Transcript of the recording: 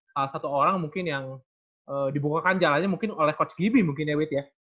salah satu orang mungkin yang dibukakan jalannya mungkin oleh coach gibi mungkin ya wid ya